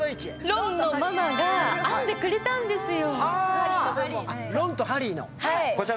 ロンのママが編んでくれたんですよ。